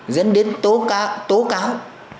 dẫn đến tố cán